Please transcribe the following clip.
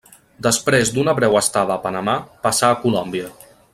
Després d'una breu estada a Panamà passà a Colòmbia.